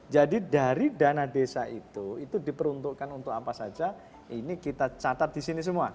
jadi dari dana desa itu diperuntukkan untuk apa saja ini kita catat di sini semua